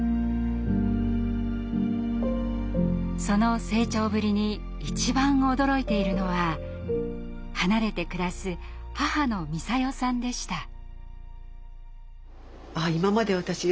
その成長ぶりに一番驚いているのは離れて暮らす母の美砂世さんでした。